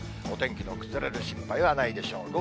お天気の崩れる心配はないでしょう。